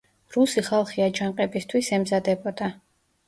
რუსი ხალხი აჯანყებისთვის ემზადებოდა.